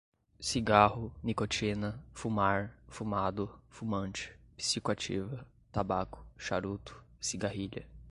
cigarro, nicotina, fumar, fumado, fumante, psicoativa, tabaco, charuto, cigarrilha